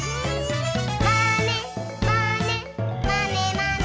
「まねまねまねまね」